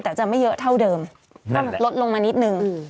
แต่จะไม่เยอะเท่าเดิมก็ลดลงมานิดนึง